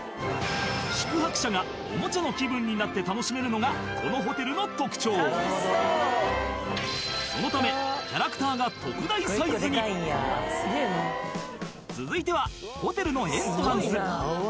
宿泊者がおもちゃの気分になって楽しめるのがこのホテルの特徴そのため続いてはホテルのエントランス